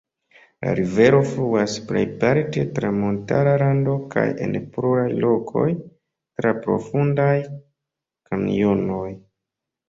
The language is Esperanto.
La rivero fluas plejparte tra montara lando kaj en pluraj lokoj tra profundaj kanjonoj.